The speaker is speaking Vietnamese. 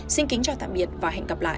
xin kính chào tạm biệt và hẹn gặp lại